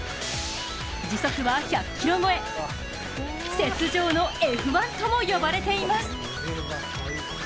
時速は１００キロ超え、雪上のＦ１ともいわれています。